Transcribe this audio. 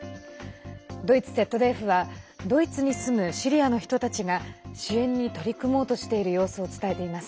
ドイツＺＤＦはドイツに住むシリアの人たちが支援に取り組もうとしている様子を伝えています。